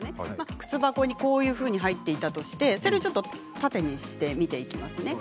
靴箱に、こういうふうに入っていたとしてそれをちょっと縦にして見ていきますね。